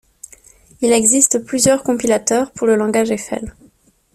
Il existe plusieurs compilateurs pour le langage Eiffel.